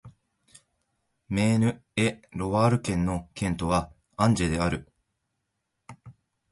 メーヌ＝エ＝ロワール県の県都はアンジェである